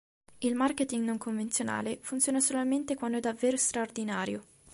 Il marketing non convenzionale funziona solamente quando è davvero straordinario.